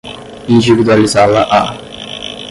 individualizá-la-á